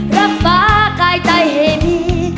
รับฟ้าใกล้ใจให้มี